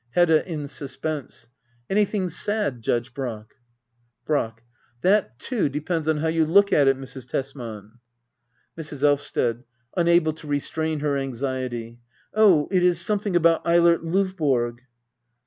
Hedda. [In suspense,"] Anything sad. Judge Brack ? Brack. That, too, depends on how you look at it, Mrs. Tesman. Mrs. Elvsted. [Unable to restrain her anxiety,'] Oh I it is something about Eilert L&vborg !